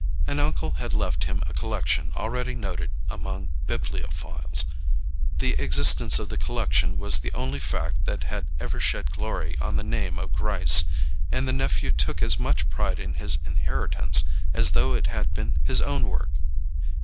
An uncle had left him a collection already noted among bibliophiles; the existence of the collection was the only fact that had ever shed glory on the name of Gryce, and the nephew took as much pride in his inheritance as though it had been his own work.